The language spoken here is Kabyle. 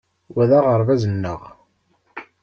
Wa d aɣerbaz-nneɣ.